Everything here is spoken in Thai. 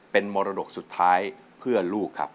เป็นมรดกสุดท้ายเพื่อลูกครับ